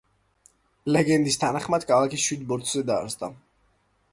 ლეგენდის თანახმად, ქალაქი შვიდ ბორცვზე დაარსდა.